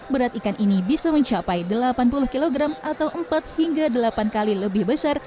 berat ikan ini bisa mencapai delapan puluh kg atau empat hingga delapan kali lebih besar